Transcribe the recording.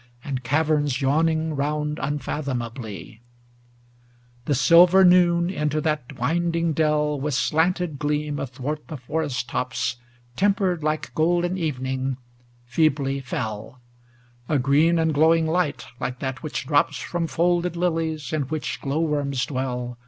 And caverns yawning round unfathomably 278 THE WITCH OF ATLAS XXXIX The silver noon into that winding dell, With slanted gleam athwart the forest tops, Tempered like golden evening, feebly fell; A green and glowing light, like that which drops From folded lilies in which glow worms dwell.